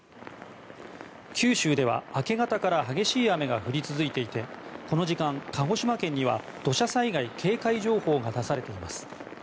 九州では明け方から激しい雨が降り続いていてこの時間、鹿児島県には土砂災害警戒情報が出されています。